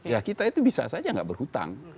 ya kita itu bisa saja nggak berhutang